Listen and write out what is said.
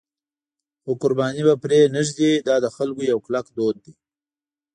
خو قرباني به پرې نه ږدي، دا د خلکو یو کلک دود دی.